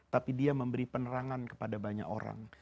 tapi dia memberi penerangan kepada banyak orang